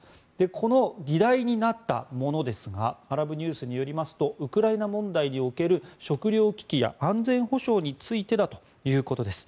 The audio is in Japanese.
この議題になったものですがアラブニュースによりますとウクライナ問題における食糧危機や安全保障についてだということです。